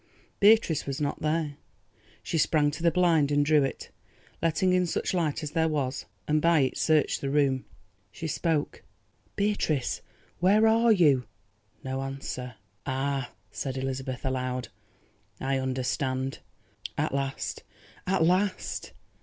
Beatrice was not there. She sprang to the blind and drew it, letting in such light as there was, and by it searched the room. She spoke: "Beatrice, where are you?" No answer. "Ah—h," said Elizabeth aloud; "I understand. At last—at last!"